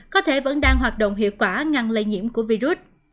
có thể vẫn đang hoạt động hiệu quả ngăn lây nhiễm của virus